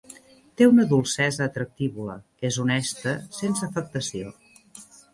Té una dolcesa atractívola; es honesta sense afectació...